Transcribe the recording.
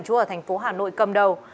chủ ở tp hà nội cầm đầu